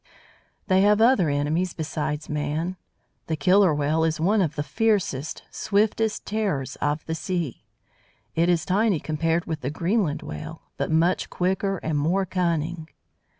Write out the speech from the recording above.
They have other enemies, besides man. The Killer Whale is one of the fiercest, swiftest terrors of the sea. It is tiny, compared with the Greenland Whale, but much quicker and more cunning.